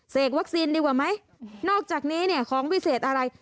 วัคซีนดีกว่าไหมนอกจากนี้เนี่ยของพิเศษอะไร